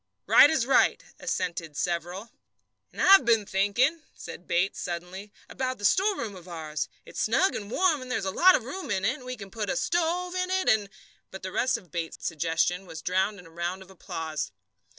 "Right as right," assented several. "And I've been thinking," said Bates suddenly, "about that storeroom of ours. It's snug and warm, and there's a lot of room in it, and we can put a stove into it and " But the rest of Bates's suggestion was drowned in a round of applause.